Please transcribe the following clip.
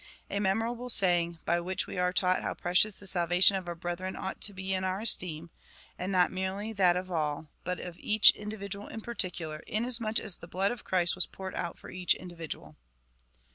A memorable saying, by which Ave are taught how precious the salvation of our brethren ought to be in our esteem, and not merely that of all, but of each individual in particular, inasmuch as the blood of Christ was poured out for each individual